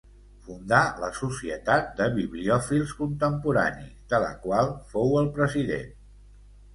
Fundà la Societat de Bibliòfils Contemporanis, de la qual fou el president.